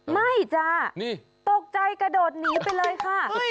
จ้าตกใจกระโดดหนีไปเลยค่ะ